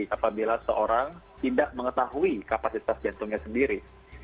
apabila seorang tidak mengetahui kapasitas jantungnya sendiri